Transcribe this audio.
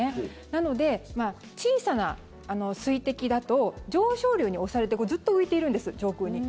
なので小さな水滴だと上昇流に押されてずっと浮いているんです上空に。